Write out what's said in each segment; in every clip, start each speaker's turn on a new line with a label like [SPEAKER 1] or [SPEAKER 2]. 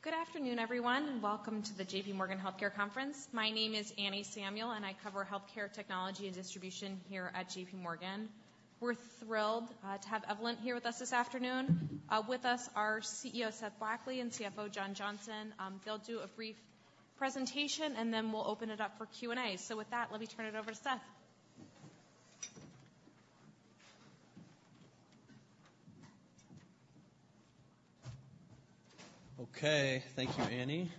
[SPEAKER 1] Good afternoon, everyone, and welcome to the JPMorgan Healthcare Conference. My name is Anne Samuel, and I cover Healthcare Technology and Distribution here at JPMorgan. We're thrilled to have Evolent here with us this afternoon. With us are CEO Seth Blackley and CFO John Johnson. They'll do a brief presentation, and then we'll open it up for Q&A. With that, let me turn it over to Seth.
[SPEAKER 2] Okay, thank you, Annie.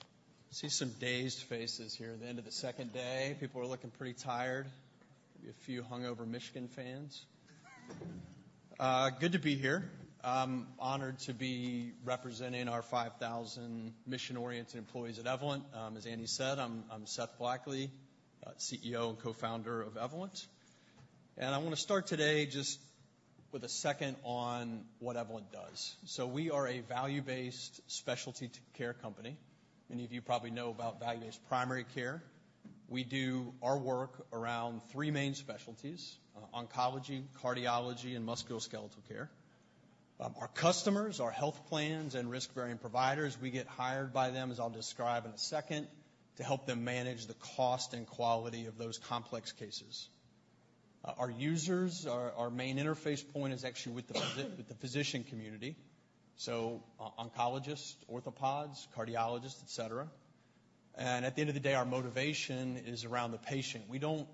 [SPEAKER 2] I see some dazed faces here at the end of the second day. People are looking pretty tired, maybe a few hungover Michigan fans. Good to be here. I'm honored to be representing our 5,000 mission-oriented employees at Evolent. As Annie said, I'm Seth Blackley, CEO and Co-Founder of Evolent. And I wanna start today just with a second on what Evolent does. So we are a value-based specialty care company. Many of you probably know about value-based primary care. We do our work around three main specialties, oncology, cardiology, and musculoskeletal care. Our customers, our health plans, and risk-bearing providers, we get hired by them, as I'll describe in a second, to help them manage the cost and quality of those complex cases. Our users, our main interface point is actually with the physician community, so oncologists, orthopods, cardiologists, et cetera. At the end of the day, our motivation is around the patient. We don't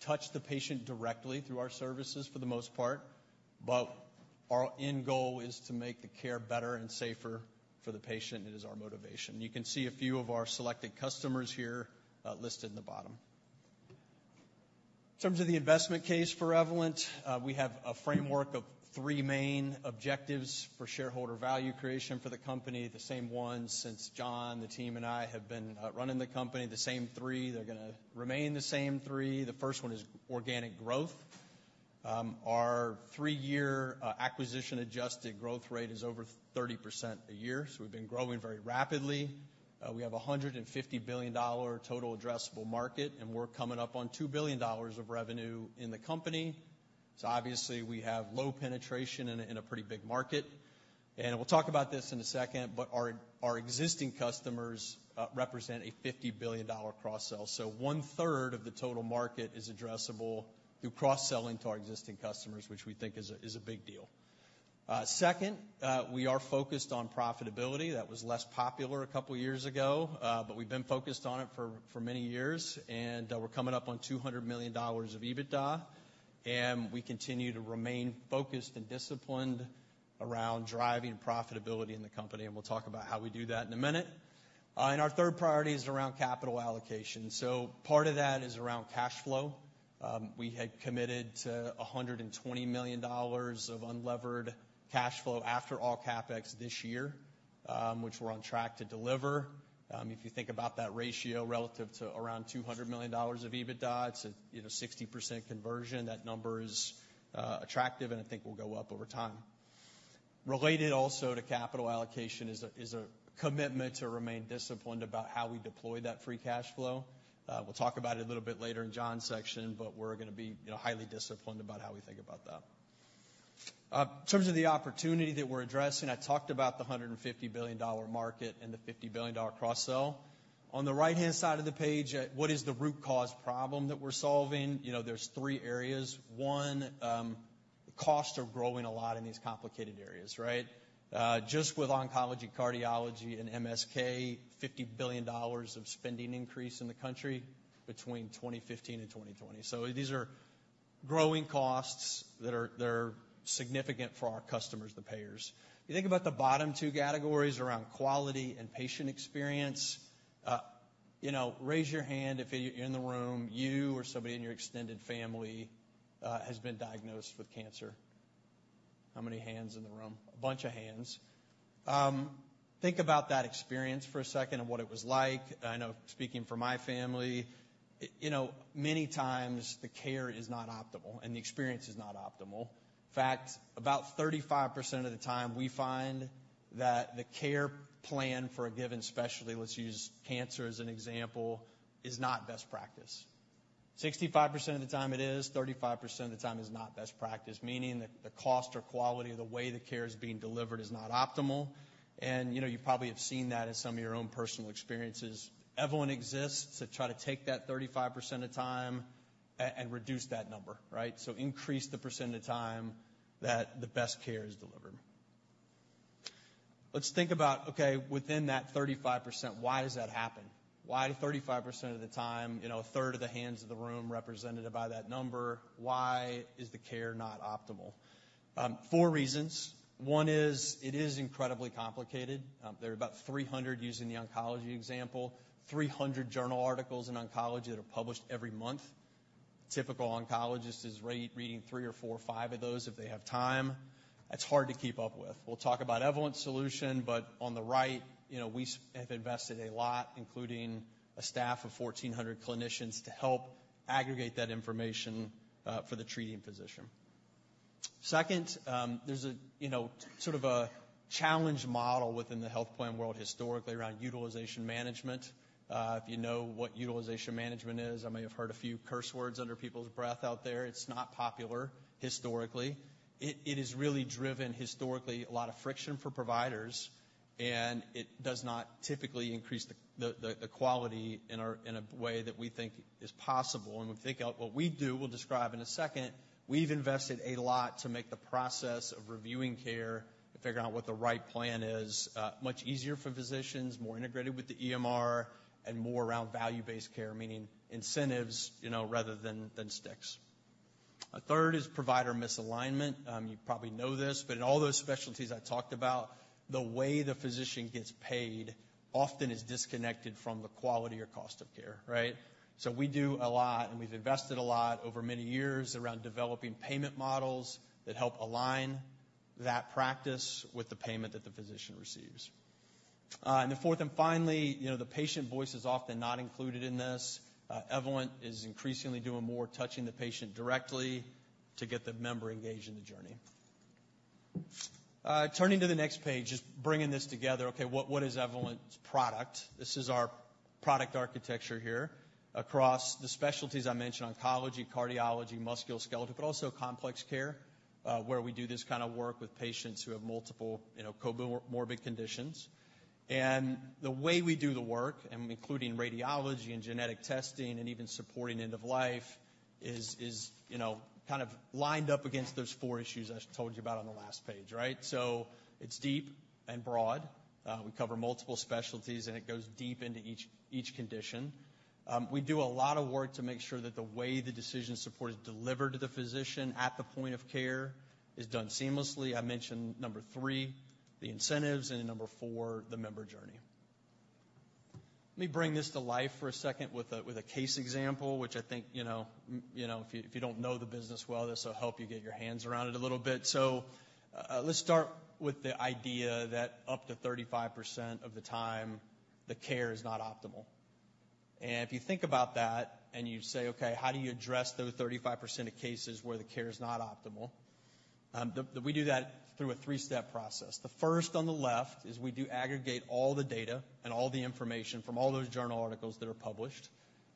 [SPEAKER 2] touch the patient directly through our services for the most part, but our end goal is to make the care better and safer for the patient. It is our motivation. You can see a few of our selected customers here, listed in the bottom. In terms of the investment case for Evolent, we have a framework of three main objectives for shareholder value creation for the company, the same ones since John, the team, and I have been running the company, the same three. They're gonna remain the same three. The first one is organic growth. Our three-year, acquisition-adjusted growth rate is over 30% a year, so we've been growing very rapidly. We have a $150 billion total addressable market, and we're coming up on $2 billion of revenue in the company. So obviously, we have low penetration in a pretty big market. We'll talk about this in a second, but our existing customers represent a $50 billion cross-sell. So 1/3 of the total market is addressable through cross-selling to our existing customers, which we think is a big deal. Second, we are focused on profitability. That was less popular a couple years ago, but we've been focused on it for many years, and we're coming up on $200 million of EBITDA, and we continue to remain focused and disciplined around driving profitability in the company, and we'll talk about how we do that in a minute. And our third priority is around capital allocation. So part of that is around cash flow. We had committed to $120 million of unlevered cash flow after all CapEx this year, which we're on track to deliver. If you think about that ratio relative to around $200 million of EBITDA, it's a, you know, 60% conversion. That number is attractive, and I think will go up over time. Related also to capital allocation is a commitment to remain disciplined about how we deploy that free cash flow. We'll talk about it a little bit later in John's section, but we're gonna be, you know, highly disciplined about how we think about that. In terms of the opportunity that we're addressing, I talked about the $150 billion market and the $50 billion cross-sell. On the right-hand side of the page, what is the root cause problem that we're solving? You know, there's three areas. One, costs are growing a lot in these complicated areas, right? Just with oncology, cardiology, and MSK, $50 billion of spending increase in the country between 2015 and 2020. So these are growing costs that are significant for our customers, the payers. If you think about the bottom two categories around quality and patient experience, you know, raise your hand if, in the room, you or somebody in your extended family, has been diagnosed with cancer. How many hands in the room? A bunch of hands. Think about that experience for a second and what it was like. I know speaking for my family, you know, many times the care is not optimal, and the experience is not optimal. In fact, about 35% of the time, we find that the care plan for a given specialty, let's use cancer as an example, is not best practice. 65% of the time it is, 35% of the time is not best practice, meaning that the cost or quality of the way the care is being delivered is not optimal, and, you know, you probably have seen that in some of your own personal experiences. Evolent exists to try to take that 35% of time and reduce that number, right? So increase the percent of the time that the best care is delivered. Let's think about, okay, within that 35%, why does that happen? Why 35% of the time, you know, 1/3 of the hands of the room represented by that number, why is the care not optimal? Four reasons. One is, it is incredibly complicated. There are about 300, using the oncology example, 300 journal articles in oncology that are published every month. Typical oncologist is reading three or four or five of those if they have time. That's hard to keep up with. We'll talk about Evolent's solution, but on the right, you know, we have invested a lot, including a staff of 1,400 clinicians, to help aggregate that information for the treating physician... Second, there's, you know, sort of a challenge model within the health plan world historically around utilization management. If you know what utilization management is, I may have heard a few curse words under people's breath out there. It's not popular historically. It has really driven, historically, a lot of friction for providers, and it does not typically increase the quality in a way that we think is possible. When we figure out what we do, we'll describe in a second, we've invested a lot to make the process of reviewing care and figuring out what the right plan is much easier for physicians, more integrated with the EMR, and more around value-based care, meaning incentives, you know, rather than sticks. A third is provider misalignment. You probably know this, but in all those specialties I talked about, the way the physician gets paid often is disconnected from the quality or cost of care, right? So we do a lot, and we've invested a lot over many years around developing payment models that help align that practice with the payment that the physician receives. And the fourth, and finally, you know, the patient voice is often not included in this. Evolent is increasingly doing more, touching the patient directly to get the member engaged in the journey. Turning to the next page, just bringing this together. Okay, what is Evolent's product? This is our product architecture here. Across the specialties I mentioned, oncology, cardiology, musculoskeletal, but also complex care, where we do this kind of work with patients who have multiple, you know, comorbid conditions. And the way we do the work, and including radiology and genetic testing and even supporting end of life, is you know, kind of lined up against those four issues I told you about on the last page, right? So it's deep and broad. We cover multiple specialties, and it goes deep into each condition. We do a lot of work to make sure that the way the decision support is delivered to the physician at the point of care is done seamlessly. I mentioned number three, the incentives, and number four, the member journey. Let me bring this to life for a second with a case example, which I think, you know, you know, if you don't know the business well, this will help you get your hands around it a little bit. So, let's start with the idea that up to 35% of the time, the care is not optimal. And if you think about that, and you say, "Okay, how do you address those 35% of cases where the care is not optimal?" We do that through a three-step process. The first on the left is we do aggregate all the data and all the information from all those journal articles that are published.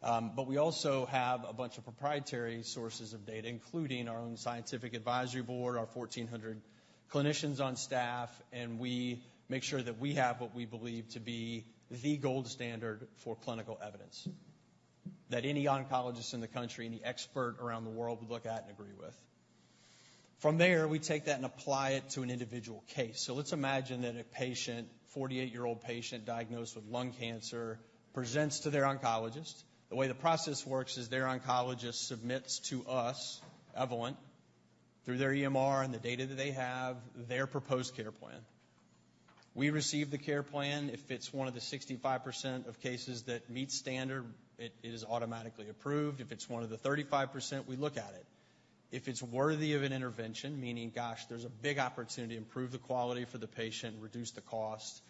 [SPEAKER 2] But we also have a bunch of proprietary sources of data, including our own scientific advisory board, our 1,400 clinicians on staff, and we make sure that we have what we believe to be the gold standard for clinical evidence, that any oncologist in the country and the expert around the world would look at and agree with. From there, we take that and apply it to an individual case. So let's imagine that a patient, 48-year-old patient, diagnosed with lung cancer, presents to their oncologist. The way the process works is their oncologist submits to us, Evolent, through their EMR and the data that they have, their proposed care plan. We receive the care plan. If it's one of the 65% of cases that meet standard, it is automatically approved. If it's one of the 35%, we look at it. If it's worthy of an intervention, meaning, gosh, there's a big opportunity to improve the quality for the patient, reduce the cost,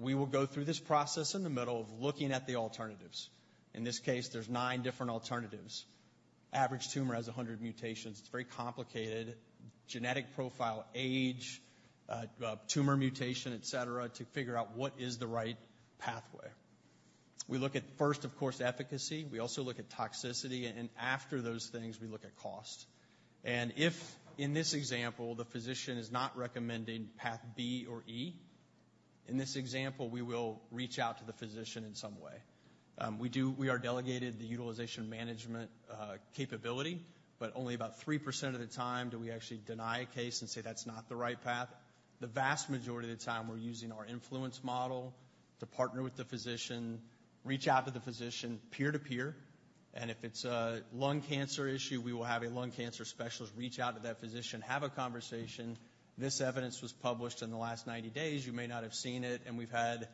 [SPEAKER 2] we will go through this process in the middle of looking at the alternatives. In this case, there's nine different alternatives. Average tumor has 100 mutations. It's very complicated, genetic profile, age, tumor mutation, et cetera, to figure out what is the right pathway. We look at first, of course, efficacy. We also look at toxicity, and after those things, we look at cost. If in this example, the physician is not recommending Path B or E, in this example, we will reach out to the physician in some way. We are delegated the utilization management capability, but only about 3% of the time do we actually deny a case and say, "That's not the right path." The vast majority of the time, we're using our influence model to partner with the physician, reach out to the physician, peer to peer, and if it's a lung cancer issue, we will have a lung cancer specialist reach out to that physician, have a conversation. "This evidence was published in the last 90 days. You may not have seen it," and we've had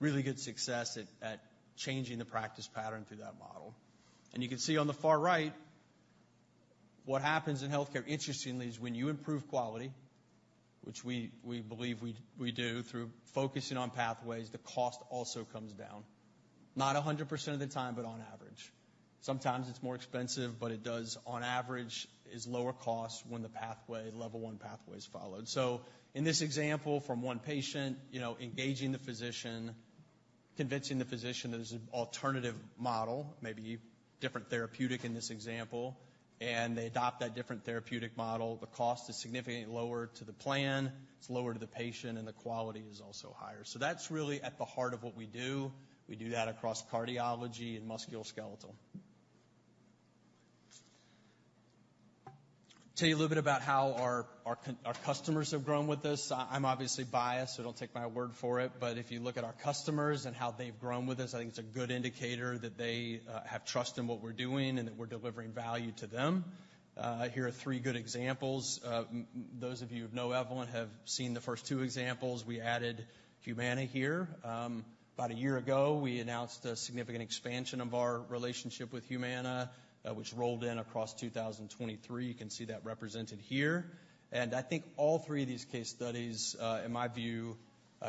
[SPEAKER 2] really good success at changing the practice pattern through that model. And you can see on the far right, what happens in healthcare, interestingly, is when you improve quality, which we believe we do through focusing on pathways, the cost also comes down. Not 100% of the time, but on average. Sometimes it's more expensive, but it does, on average, is lower cost when the pathway, Level I pathway is followed. So in this example, from one patient, you know, engaging the physician, convincing the physician there's an alternative model, maybe different therapeutic in this example, and they adopt that different therapeutic model, the cost is significantly lower to the plan, it's lower to the patient, and the quality is also higher. So that's really at the heart of what we do. We do that across cardiology and musculoskeletal. Tell you a little bit about how our customers have grown with us. I'm obviously biased, so don't take my word for it, but if you look at our customers and how they've grown with us, I think it's a good indicator that they have trust in what we're doing and that we're delivering value to them. Here are three good examples. Those of you who know Evolent have seen the first two examples. We added Humana here. About a year ago, we announced a significant expansion of our relationship with Humana, which rolled in across 2023. You can see that represented here. And I think all three of these case studies, in my view,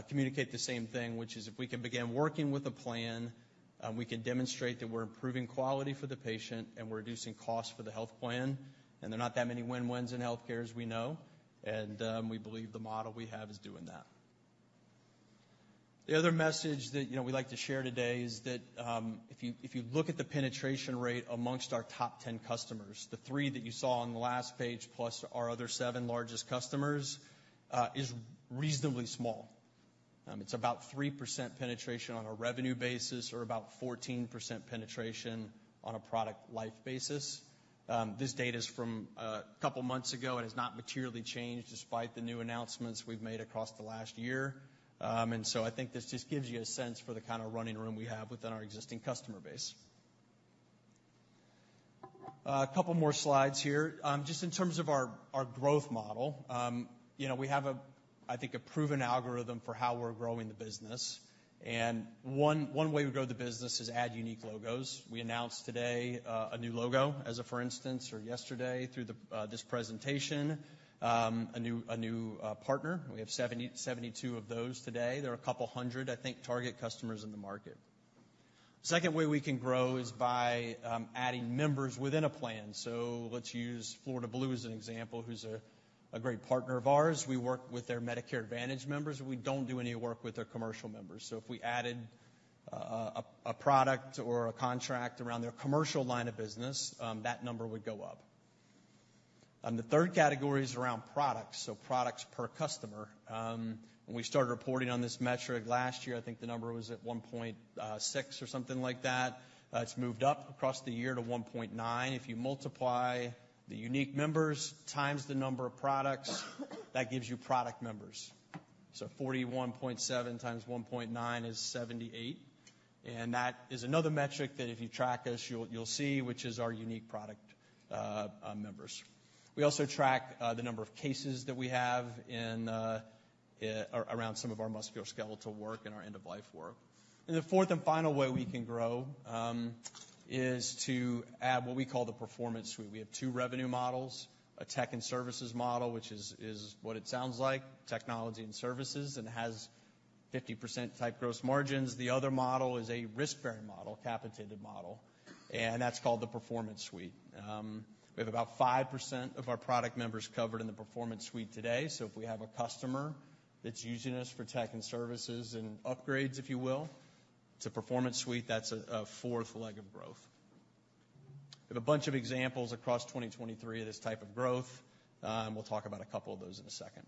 [SPEAKER 2] communicate the same thing, which is, if we can begin working with a plan-... We can demonstrate that we're improving quality for the patient, and we're reducing costs for the health plan, and there are not that many win-wins in healthcare, as we know, and we believe the model we have is doing that. The other message that, you know, we'd like to share today is that, if you, if you look at the penetration rate amongst our top 10 customers, the three that you saw on the last page, plus our other seven largest customers, is reasonably small. It's about 3% penetration on a revenue basis or about 14% penetration on a product lives basis. This data's from a couple of months ago and has not materially changed, despite the new announcements we've made across the last year. And so I think this just gives you a sense for the kind of running room we have within our existing customer base. A couple more slides here. Just in terms of our growth model, you know, we have, I think, a proven algorithm for how we're growing the business. And one way we grow the business is add unique logos. We announced today a new logo, as of, for instance, or yesterday, through this presentation, a new partner. We have 72 of those today. There are 200, I think, target customers in the market. Second way we can grow is by adding members within a plan. So let's use Florida Blue as an example, who's a great partner of ours. We work with their Medicare Advantage members, and we don't do any work with their commercial members. So if we added a product or a contract around their commercial line of business, that number would go up. The third category is around products, so products per customer. When we started reporting on this metric last year, I think the number was at 1.6 or something like that. It's moved up across the year to 1.9. If you multiply the unique members times the number of products, that gives you product members. So 41.7 x 1.9 is 78, and that is another metric that if you track us, you'll see, which is our unique product members. We also track the number of cases that we have in around some of our musculoskeletal work and our end-of-life work. The fourth and final way we can grow is to add what we call the Performance Suite. We have two revenue models, a tech and services model, which is what it sounds like, Technology and Services, and has 50% type gross margins. The other model is a risk-bearing model, capitated model, and that's called the Performance Suite. We have about 5% of our product members covered in the Performance Suite today. So if we have a customer that's using us for tech and services and upgrades, if you will, to Performance Suite, that's a fourth leg of growth. We have a bunch of examples across 2023 of this type of growth, and we'll talk about a couple of those in a second.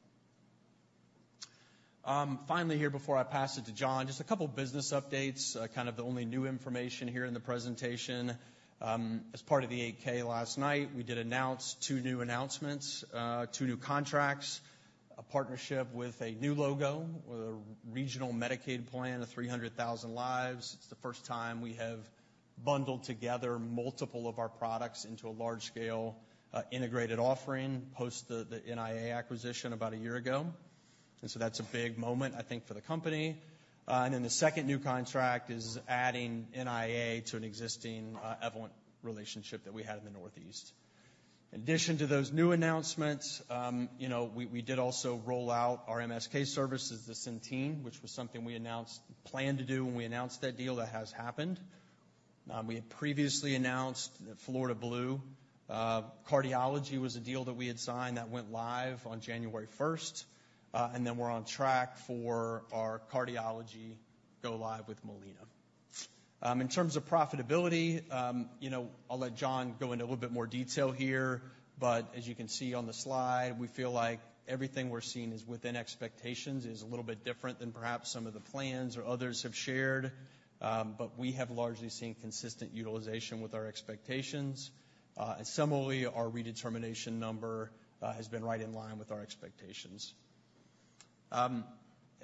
[SPEAKER 2] Finally, here, before I pass it to John, just a couple of business updates, kind of the only new information here in the presentation. As part of the 8-K last night, we did announce two new announcements, two new contracts, a partnership with a new logo, with a regional Medicaid plan of 300,000 lives. It's the first time we have bundled together multiple of our products into a large-scale, integrated offering, post the NIA acquisition about a year ago. And so that's a big moment, I think, for the company. And then the second new contract is adding NIA to an existing, Evolent relationship that we had in the Northeast. In addition to those new announcements, you know, we did also roll out our MSK services to Centene, which was something we announced planned to do when we announced that deal, that has happened. We had previously announced that Florida Blue Cardiology was a deal that we had signed that went live on January 1st. And then we're on track for our cardiology go live with Molina. In terms of profitability, you know, I'll let John go into a little bit more detail here, but as you can see on the slide, we feel like everything we're seeing is within expectations. It is a little bit different than perhaps some of the plans or others have shared, but we have largely seen consistent utilization with our expectations. And similarly, our redetermination number has been right in line with our expectations.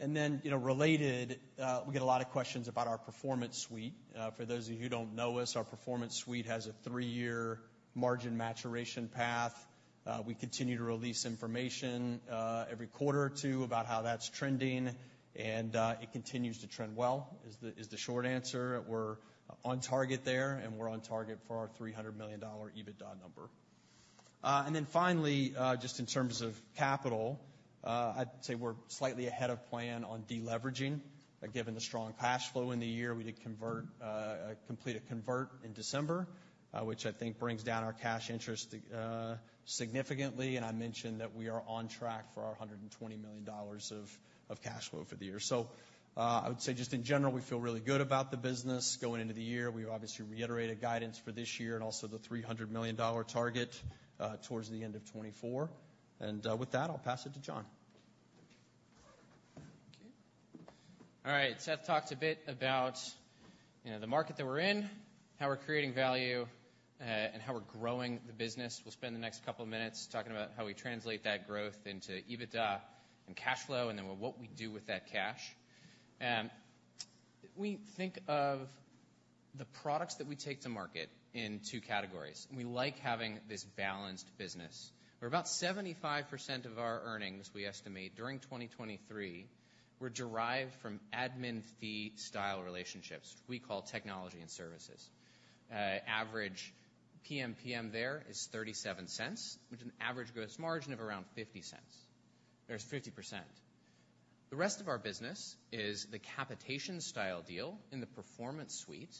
[SPEAKER 2] And then, you know, related, we get a lot of questions about our Performance Suite. For those of you who don't know us, our Performance Suite has a three-year margin maturation path. We continue to release information every quarter or two about how that's trending, and it continues to trend well, is the short answer. We're on target there, and we're on target for our $300 million EBITDA number. And then finally, just in terms of capital, I'd say we're slightly ahead of plan on deleveraging. Given the strong cash flow in the year, we did complete a convert in December, which I think brings down our cash interest significantly, and I mentioned that we are on track for our $120 million of cash flow for the year. I would say, just in general, we feel really good about the business going into the year. We've obviously reiterated guidance for this year and also the $300 million target towards the end of 2024. With that, I'll pass it to John.
[SPEAKER 3] Okay. All right, Seth talked a bit about, you know, the market that we're in, how we're creating value, and how we're growing the business. We'll spend the next couple of minutes talking about how we translate that growth into EBITDA and cash flow, and then what we'll do with that cash. We think of the products that we take to market in two categories, and we like having this balanced business. Where about 75% of our earnings, we estimate during 2023, were derived from admin fee-style relationships, we call Technology and Services. Average PMPM there is $0.37, with an average gross margin of around 50%. There's 50%.... The rest of our business is the capitation style deal in the Performance Suite,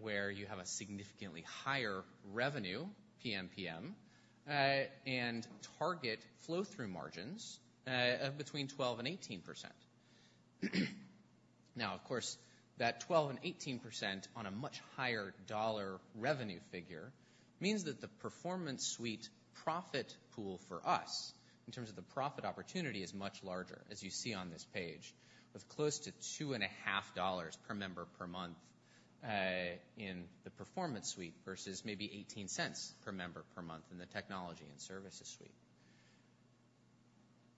[SPEAKER 3] where you have a significantly higher revenue, PMPM, and target flow-through margins of between 12% and 18%. Now, of course, that 12% and 18% on a much higher dollar revenue figure means that the Performance Suite profit pool for us, in terms of the profit opportunity, is much larger, as you see on this page, with close to $2.5 per member per month in the Performance Suite, versus maybe $0.18 per member per month in the Technology and Services Suite.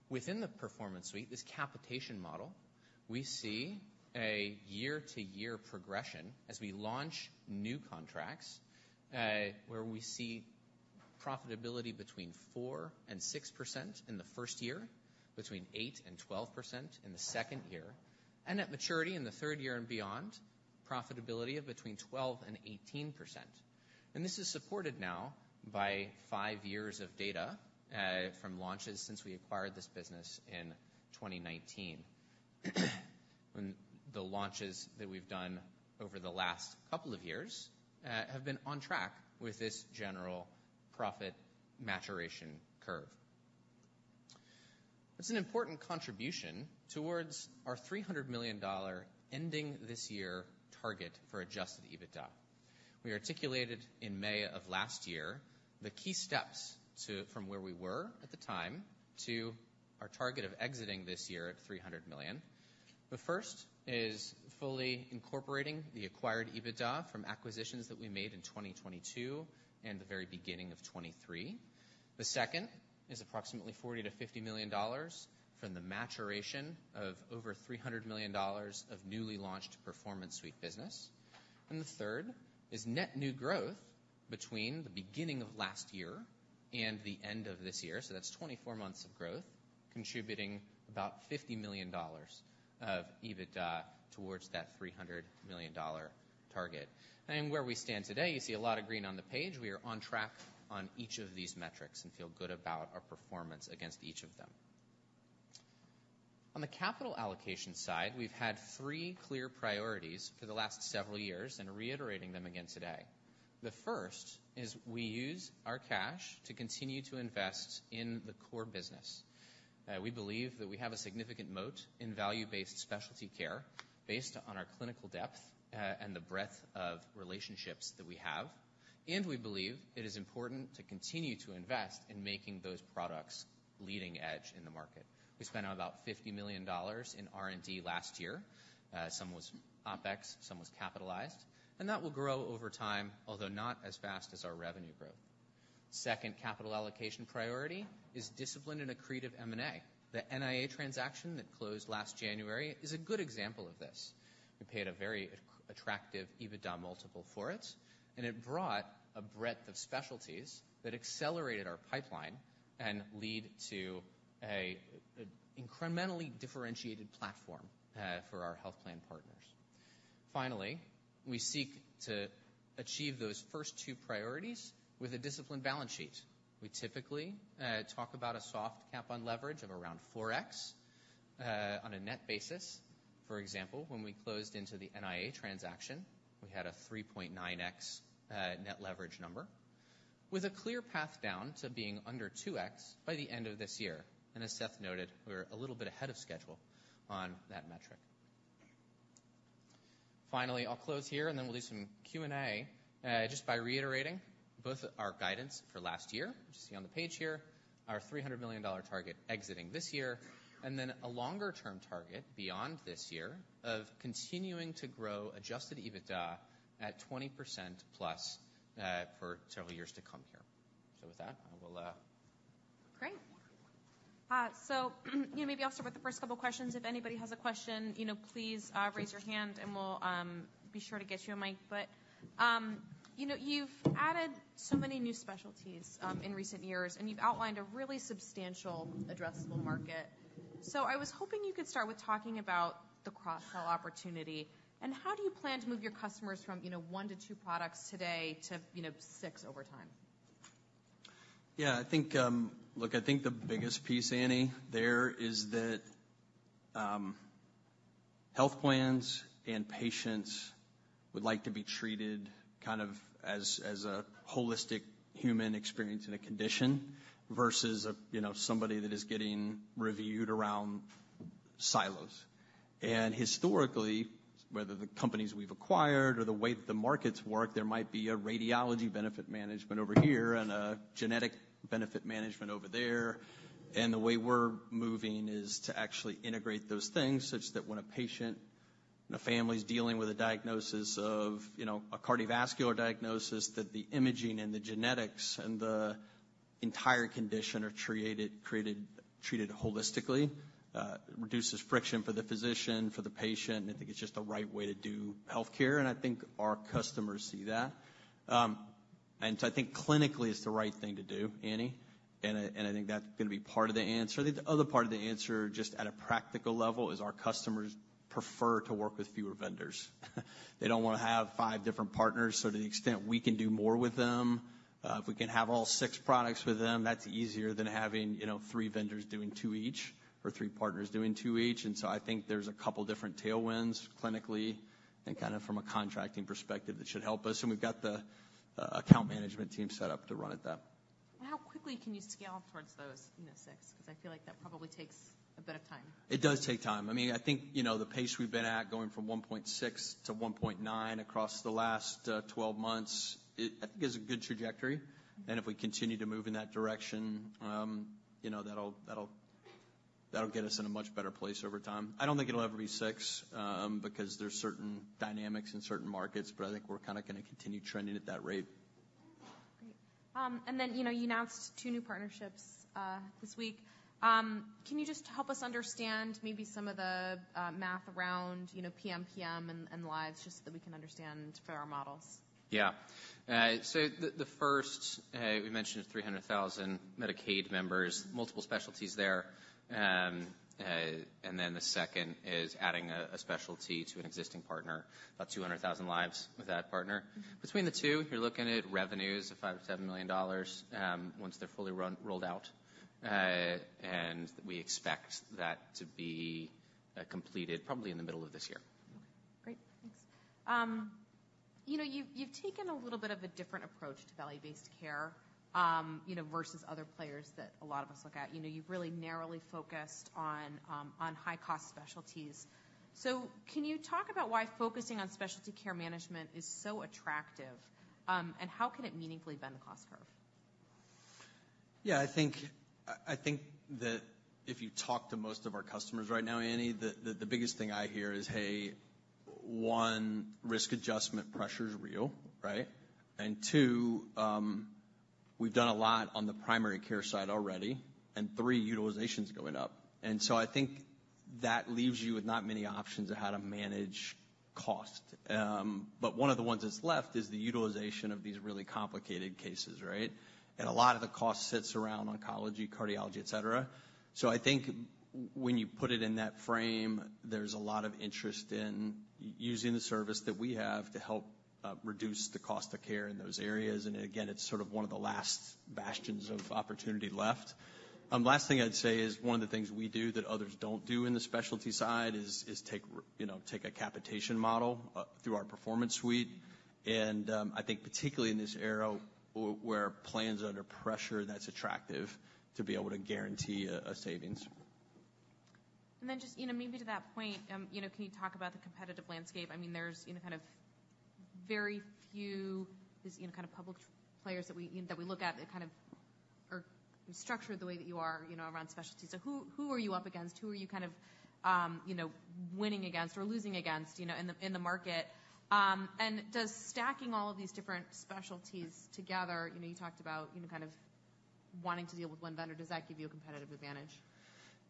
[SPEAKER 3] Within the Performance Suite, this capitation model, we see a year-to-year progression as we launch new contracts, where we see profitability between 4% and 6% in the first year, between 8% and 12% in the second year, and at maturity, in the third year and beyond, profitability of between 12% and 18%. And this is supported now by five years of data, from launches since we acquired this business in 2019. And the launches that we've done over the last couple of years, have been on track with this general profit maturation curve. It's an important contribution towards our $300 million, ending this year, target for Adjusted EBITDA. We articulated in May of last year the key steps to... from where we were at the time, to our target of exiting this year at $300 million. The first is fully incorporating the Acquired EBITDA from acquisitions that we made in 2022 and the very beginning of 2023. The second is approximately $40 million-$50 million from the maturation of over $300 million of newly launched Performance Suite business. And the third is net new growth between the beginning of last year and the end of this year, so that's 24 months of growth, contributing about $50 million of EBITDA towards that $300 million target. And where we stand today, you see a lot of green on the page. We are on track on each of these metrics and feel good about our performance against each of them. On the capital allocation side, we've had three clear priorities for the last several years and are reiterating them again today. The first is we use our cash to continue to invest in the core business. We believe that we have a significant moat in value-based specialty care, based on our clinical depth, and the breadth of relationships that we have. We believe it is important to continue to invest in making those products leading edge in the market. We spent about $50 million in R&D last year. Some was OpEx, some was capitalized, and that will grow over time, although not as fast as our revenue growth. Second capital allocation priority is discipline and accretive M&A. The NIA transaction that closed last January is a good example of this. We paid a very attractive EBITDA multiple for it, and it brought a breadth of specialties that accelerated our pipeline and lead to an incrementally differentiated platform, for our health plan partners. Finally, we seek to achieve those first two priorities with a disciplined balance sheet. We typically talk about a soft cap on leverage of around 4x on a net basis. For example, when we closed into the NIA transaction, we had a 3.9x net leverage number, with a clear path down to being under 2x by the end of this year. And as Seth noted, we're a little bit ahead of schedule on that metric. Finally, I'll close here, and then we'll do some Q&A just by reiterating both our guidance for last year, which you see on the page here, our $300 million target exiting this year, and then a longer-term target beyond this year of continuing to grow Adjusted EBITDA at 20%+ for several years to come here. With that, I will,
[SPEAKER 1] Great. So maybe I'll start with the first couple questions. If anybody has a question, you know, please, raise your hand, and we'll be sure to get you a mic. But, you know, you've added so many new specialties in recent years, and you've outlined a really substantial addressable market. So I was hoping you could start with talking about the cross-sell opportunity, and how do you plan to move your customers from, you know, one to two products today to, you know, six over time?
[SPEAKER 2] Yeah, I think, Look, I think the biggest piece, Annie, there is that, health plans and patients would like to be treated kind of as, as a holistic human experience in a condition versus, a, you know, somebody that is getting reviewed around silos. And historically, whether the companies we've acquired or the way that the markets work, there might be a radiology benefit management over here and a genetic benefit management over there. And the way we're moving is to actually integrate those things, such that when a patient and a family's dealing with a diagnosis of, you know, a cardiovascular diagnosis, that the imaging and the genetics and the entire condition are treated, created, treated holistically. It reduces friction for the physician, for the patient. I think it's just the right way to do healthcare, and I think our customers see that. And so I think clinically, it's the right thing to do, Annie, and I, and I think that's gonna be part of the answer. I think the other part of the answer, just at a practical level, is our customers prefer to work with fewer vendors. They don't wanna have five different partners, so to the extent we can do more with them, if we can have all six products with them, that's easier than having, you know, three vendors doing two each, or three partners doing two each. And so I think there's a couple different tailwinds, clinically, and kinda from a contracting perspective, that should help us. And we've got the account management team set up to run at that.
[SPEAKER 1] How quickly can you scale towards those, you know, six? Because I feel like that probably takes a bit of time.
[SPEAKER 2] It does take time. I mean, I think, you know, the pace we've been at, going from 1.6-1.9 across the last 12 months, it, I think, is a good trajectory. And if we continue to move in that direction, you know, that'll, that'll, that'll get us in a much better place over time. I don't think it'll ever be 6, because there's certain dynamics in certain markets, but I think we're kinda gonna continue trending at that rate.
[SPEAKER 1] And then, you know, you announced two new partnerships this week. Can you just help us understand maybe some of the math around, you know, PMPM and lives, just so that we can understand for our models?
[SPEAKER 3] Yeah. So the first, we mentioned 300,000 Medicaid members, multiple specialties there. And then the second is adding a specialty to an existing partner, about 200,000 lives with that partner. Between the two, you're looking at revenues of $5 million-$7 million, once they're fully rolled out. And we expect that to be completed probably in the middle of this year.
[SPEAKER 1] Great. Thanks. You know, you've taken a little bit of a different approach to value-based care, you know, versus other players that a lot of us look at. You know, you've really narrowly focused on high-cost specialties. So can you talk about why focusing on specialty care management is so attractive, and how can it meaningfully bend the cost curve?
[SPEAKER 2] Yeah, I think that if you talk to most of our customers right now, Annie, the biggest thing I hear is, hey, one, risk adjustment pressure's real, right? And two, we've done a lot on the primary care side already, and three, utilization's going up. And so I think that leaves you with not many options of how to manage cost. But one of the ones that's left is the utilization of these really complicated cases, right? And a lot of the cost sits around oncology, cardiology, et cetera. So I think when you put it in that frame, there's a lot of interest in using the service that we have to help reduce the cost of care in those areas. And again, it's sort of one of the last bastions of opportunity left. Last thing I'd say is, one of the things we do that others don't do in the specialty side is take you know, take a capitation model through our Performance Suite. I think particularly in this era where plans are under pressure, that's attractive to be able to guarantee a savings.
[SPEAKER 1] And then just, you know, maybe to that point, you know, can you talk about the competitive landscape? I mean, there's, you know, kind of very few of these, you know, kind of public players that we, you know, that we look at that kind of are structured the way that you are, you know, around specialties. So who, who are you up against? Who are you kind of, you know, winning against or losing against, you know, in the, in the market? And does stacking all of these different specialties together... You know, you talked about, you know, kind of wanting to deal with one vendor. Does that give you a competitive advantage?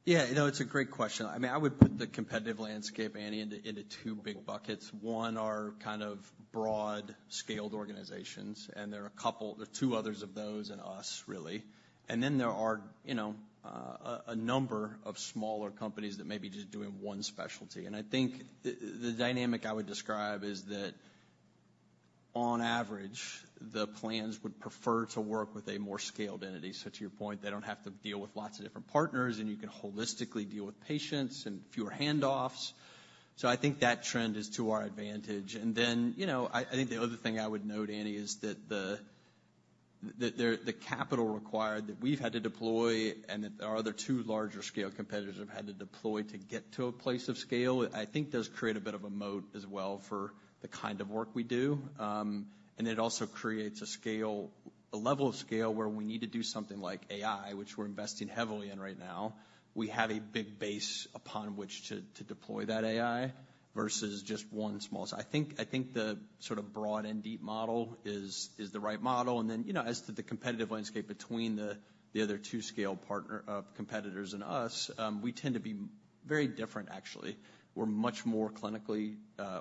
[SPEAKER 2] Yeah, you know, it's a great question. I mean, I would put the competitive landscape, Annie, into two big buckets. One are kind of broad-scaled organizations, and there are a couple... There are two others of those and us, really. And then there are, you know, a number of smaller companies that may be just doing one specialty. And I think the dynamic I would describe is that on average, the plans would prefer to work with a more scaled entity. So to your point, they don't have to deal with lots of different partners, and you can holistically deal with patients and fewer handoffs. So I think that trend is to our advantage. And then, you know, I think the other thing I would note, Annie, is that the capital required that we've had to deploy and that our other two larger-scale competitors have had to deploy to get to a place of scale, I think does create a bit of a moat as well for the kind of work we do. And it also creates a scale, a level of scale, where we need to do something like AI, which we're investing heavily in right now. We have a big base upon which to deploy that AI versus just one small... So I think the sort of broad and deep model is the right model. And then, you know, as to the competitive landscape between the other two scale partner competitors and us, we tend to be very different actually. We're much more clinically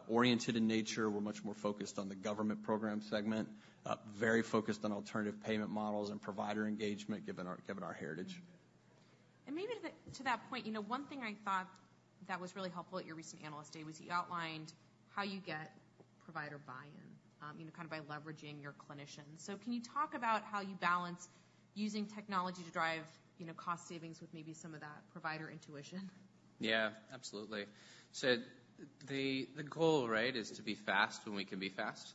[SPEAKER 2] oriented in nature. We're much more focused on the government program segment, very focused on alternative payment models and provider engagement, given our heritage.
[SPEAKER 1] And maybe to that point, you know, one thing I thought that was really helpful at your recent analyst day was you outlined how you get provider buy-in, you know, kind of by leveraging your clinicians. So can you talk about how you balance using technology to drive, you know, cost savings with maybe some of that provider intuition?
[SPEAKER 3] Yeah, absolutely. So the goal, right, is to be fast when we can be fast.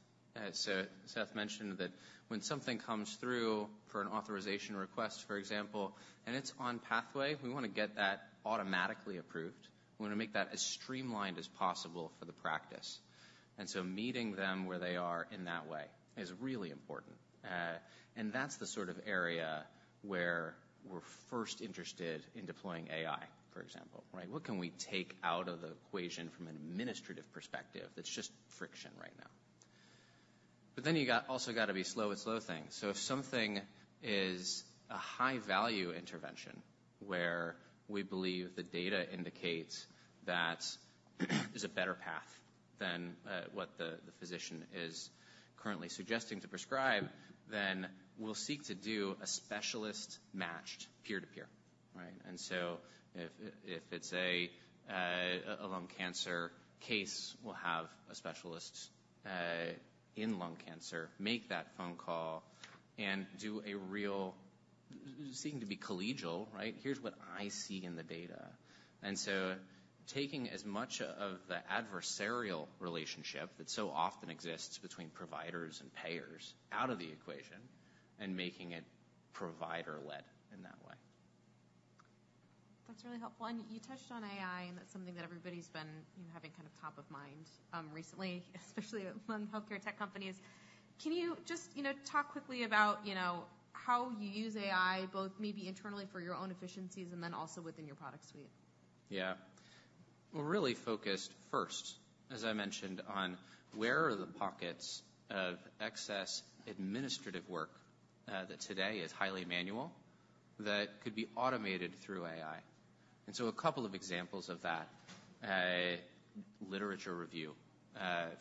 [SPEAKER 3] So Seth mentioned that when something comes through for an authorization request, for example, and it's on pathway, we wanna get that automatically approved. We wanna make that as streamlined as possible for the practice. And so meeting them where they are in that way is really important. And that's the sort of area where we're first interested in deploying AI, for example, right? What can we take out of the equation from an administrative perspective that's just friction right now? But then you got, also gotta be slow with slow things. So if something is a high-value intervention where we believe the data indicates that there's a better path than what the physician is currently suggesting to prescribe, then we'll seek to do a specialist-matched peer-to-peer, right? And so if it's a lung cancer case, we'll have a specialist in lung cancer make that phone call and do a real seeming to be collegial, right? "Here's what I see in the data." And so taking as much of the adversarial relationship that so often exists between providers and payers out of the equation and making it provider-led in that way.
[SPEAKER 1] That's really helpful. And you touched on AI, and that's something that everybody's been, you know, having kind of top of mind, recently, especially from healthcare tech companies. Can you just, you know, talk quickly about, you know, how you use AI, both maybe internally for your own efficiencies and then also within your product suite?
[SPEAKER 3] Yeah. We're really focused first, as I mentioned, on where are the pockets of excess administrative work that today is highly manual, that could be automated through AI. And so a couple of examples of that, literature review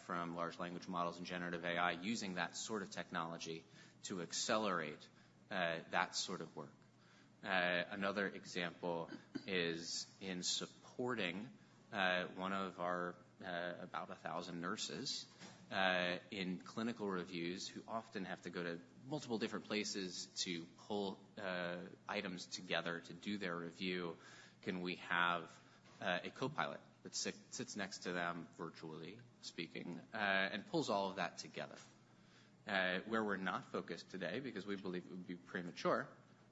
[SPEAKER 3] from large language models and generative AI, using that sort of technology to accelerate that sort of work. Another example is in supporting one of our about 1,000 nurses in clinical reviews, who often have to go to multiple different places to pull items together to do their review. Can we have a copilot that sits next to them, virtually speaking, and pulls all of that together? Where we're not focused today, because we believe it would be premature,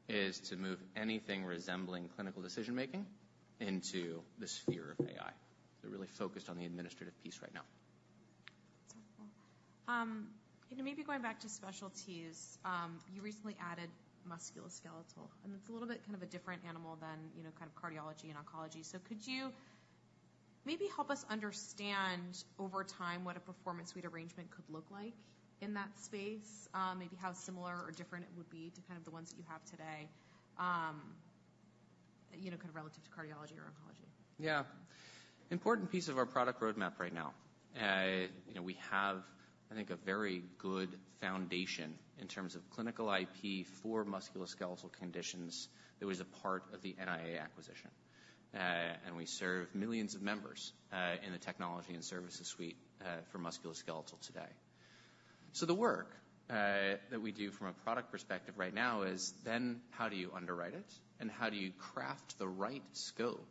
[SPEAKER 3] is to move anything resembling clinical decision-making into the sphere of AI. We're really focused on the administrative piece right now.
[SPEAKER 1] And maybe going back to specialties, you recently added musculoskeletal, and it's a little bit kind of a different animal than, you know, kind of cardiology and oncology. So could you maybe help us understand over time, what a Performance Suite arrangement could look like in that space? Maybe how similar or different it would be to kind of the ones that you have today, you know, kind of relative to cardiology or oncology?
[SPEAKER 3] Yeah. Important piece of our product roadmap right now. You know, we have, I think, a very good foundation in terms of clinical IP for musculoskeletal conditions that was a part of the NIA acquisition. And we serve millions of members in the Technology and Services Suite for musculoskeletal today. So the work that we do from a product perspective right now is then how do you underwrite it, and how do you craft the right scope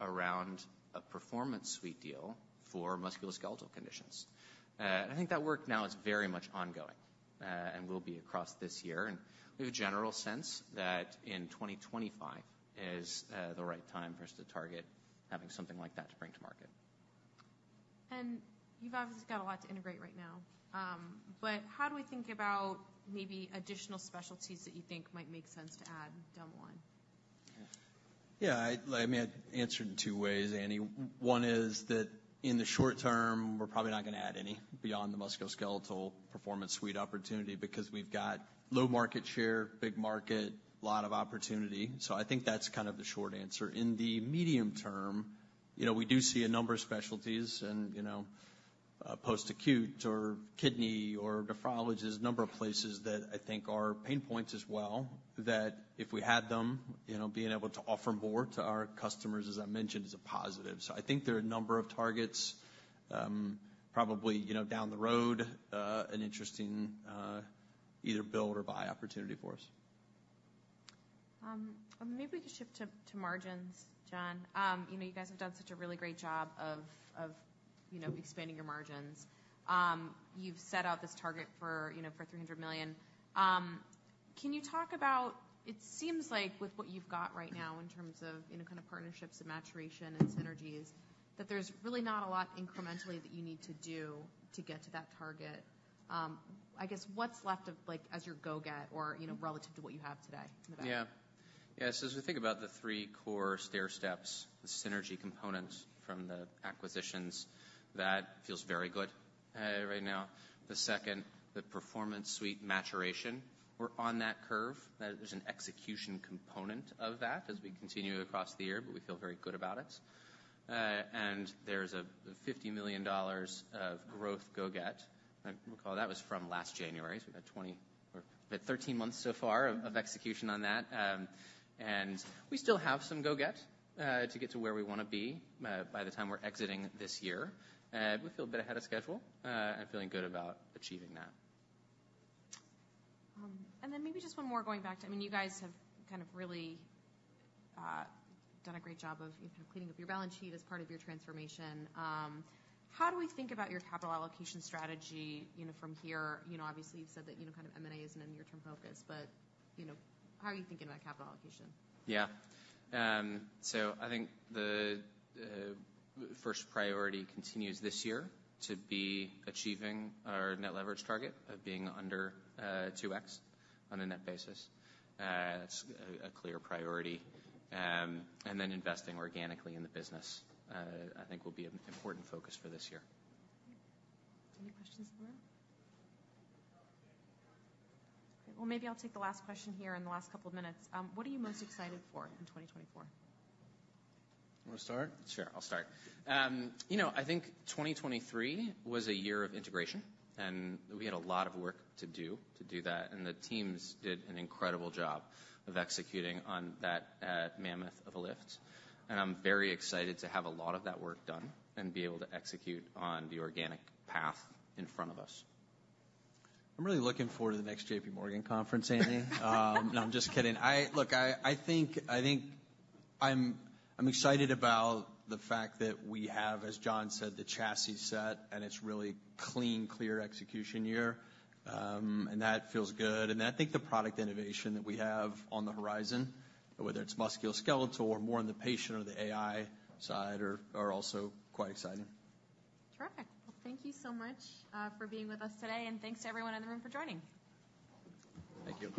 [SPEAKER 3] around a Performance Suite deal for musculoskeletal conditions? And I think that work now is very much ongoing and will be across this year. And we have a general sense that in 2025 is the right time for us to target having something like that to bring to market.
[SPEAKER 1] You've obviously got a lot to integrate right now, but how do we think about maybe additional specialties that you think might make sense to add down the line?
[SPEAKER 2] Yeah, I may answer it in two ways, Annie. One is that in the short term, we're probably not gonna add any beyond the musculoskeletal Performance Suite opportunity because we've got low market share, big market, lot of opportunity. So I think that's kind of the short answer. In the medium term, you know, we do see a number of specialties and, you know, post-acute or kidney or nephrology, there's a number of places that I think are pain points as well, that if we had them, you know, being able to offer more to our customers, as I mentioned, is a positive. So I think there are a number of targets, probably, you know, down the road, an interesting, either build or buy opportunity for us.
[SPEAKER 1] Maybe we can shift to margins, John. You know, you guys have done such a really great job of expanding your margins. You've set out this target for $300 million. Can you talk about... It seems like with what you've got right now in terms of, you know, kind of partnerships and maturation and synergies, that there's really not a lot incrementally that you need to do to get to that target. I guess what's left of, like, as your go-getter or, you know, relative to what you have today in the bag?
[SPEAKER 3] Yeah. Yeah, so as we think about the three core stairsteps, the synergy components from the acquisitions, that feels very good right now. The second, the Performance Suite maturation, we're on that curve. There's an execution component of that as we continue across the year, but we feel very good about it. And there's a $50 million of growth go-get. I recall that was from last January, so we've had 20 or 13 months so far of execution on that. And we still have some go-get to get to where we wanna be by the time we're exiting this year. We feel a bit ahead of schedule and feeling good about achieving that.
[SPEAKER 1] And then maybe just one more going back to... I mean, you guys have kind of really done a great job of, you know, cleaning up your balance sheet as part of your transformation. How do we think about your capital allocation strategy, you know, from here? You know, obviously, you've said that, you know, kind of M&A isn't a near-term focus, but, you know, how are you thinking about capital allocation?
[SPEAKER 3] Yeah. So I think the first priority continues this year to be achieving our Net Leverage target of being under 2x on a net basis. It's a clear priority. And then investing organically in the business, I think will be an important focus for this year.
[SPEAKER 1] Any questions for them? Well, maybe I'll take the last question here in the last couple of minutes. What are you most excited for in 2024?
[SPEAKER 2] You want to start?
[SPEAKER 3] Sure, I'll start. You know, I think 2023 was a year of integration, and we had a lot of work to do to do that, and the teams did an incredible job of executing on that, mammoth of a lift. I'm very excited to have a lot of that work done and be able to execute on the organic path in front of us.
[SPEAKER 2] I'm really looking forward to the next JPMorgan Conference, Annie. No, I'm just kidding. Look, I think I'm excited about the fact that we have, as John said, the chassis set, and it's really clean, clear execution year. And that feels good. And I think the product innovation that we have on the horizon, whether it's musculoskeletal or more on the patient or the AI side, are also quite exciting.
[SPEAKER 1] Correct. Well, thank you so much for being with us today, and thanks to everyone in the room for joining.
[SPEAKER 3] Thank you.